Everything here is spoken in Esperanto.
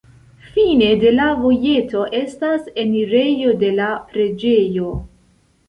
Fine de la vojeto estas enirejo de la preĝejo.